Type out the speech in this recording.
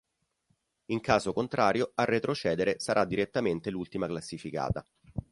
In caso contrario a retrocedere sarà direttamente l'ultima classificata.